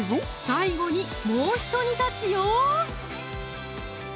最後にもう一煮立ちよ！